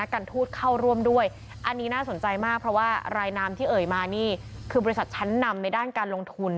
คือบริษัทชั้นนำในด้านการลงทุน